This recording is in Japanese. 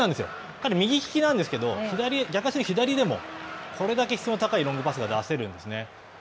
彼右利きなんですけど、逆に左でもこれだけ質の高いロングパスが出せるんですね。